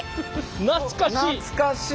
懐かしい！